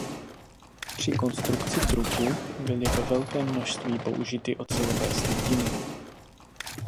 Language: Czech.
Při konstrukci trupu byly ve velkém množství použity ocelové slitiny.